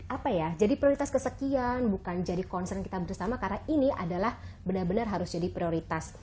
apa ya jadi prioritas kesekian bukan jadi concern kita bersama karena ini adalah benar benar harus jadi prioritas